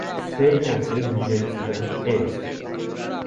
সেই ম্যাচে বিজয়ী ছিলেন এজ।